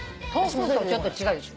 ちょっと違うでしょ。